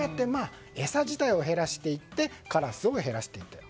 餌自体を減らしていってカラスを減らしていった。